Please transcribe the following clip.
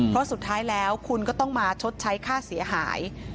เพราะสุดท้ายแล้วคุณก็ต้องมาชดใช้ค่าเสียหาย